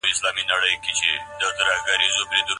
ټولنیز نظرونه د مذهب تر اغېز لاندي وه.